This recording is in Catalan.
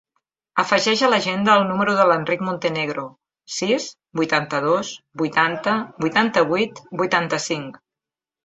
Afegeix a l'agenda el número de l'Enric Montenegro: sis, vuitanta-dos, vuitanta, vuitanta-vuit, vuitanta-cinc.